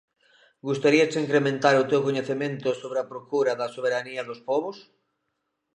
Gustaríache incrementar o teu coñecemento sobre a procura da soberanía dos pobos?